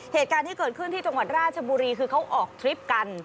เหตุการณ์ที่เกิดขึ้นที่จังหวัดราชบุรีคือเขาออกทริปกัน